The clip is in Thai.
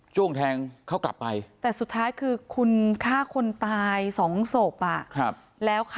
ช่วงแทงเขากลับไปแต่สุดท้ายคือคุณฆ่าคนตายสองศพอ่ะครับแล้ว